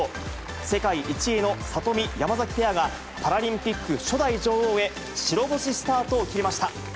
世界１位の里見・山崎ペアが、パラリンピック初代女王へ、白星スタートを切りました。